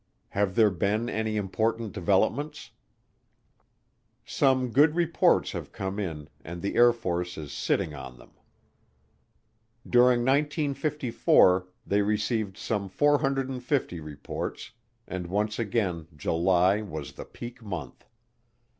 Have there been any important developments? Some good reports have come in and the Air Force is sitting on them. During 1954 they received some 450 reports, and once again July was the peak month.